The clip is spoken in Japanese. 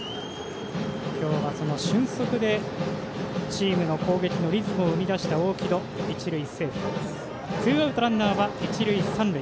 今日は、その俊足でチームの攻撃のリズムを生み出した大城戸、一塁セーフ。